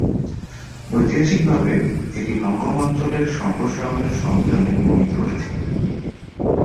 ঐতিহাসিকভাবে, এটি হংকং অঞ্চলের সম্প্রসারণের সম্মেলনে বর্ণিত রয়েছে।